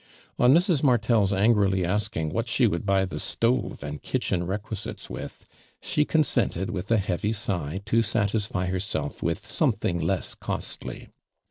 On Mrs. Martel' s angrily asking what slie would buy the stove and kitchen re quisites with, she consented with a hcaxy sigh to satisfy herself with something less mostly.